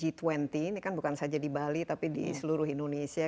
ini kan bukan saja di bali tapi di seluruh indonesia